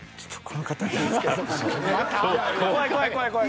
怖い怖い怖い。